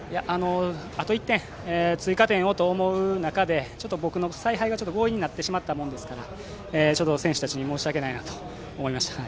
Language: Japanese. あと１点追加点をと思う中でちょっと、僕の采配が強引になってしまったものでちょっと選手たちに申し訳ないなと思いました。